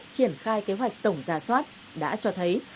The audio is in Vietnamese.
triển khai kế hoạch tổng ra soát đã cho thấy